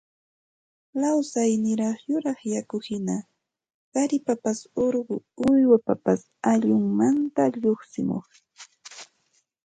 lawsaniraq yuraq yakuhina qaripapas urqu uywapapas ullunmanta lluqsimuq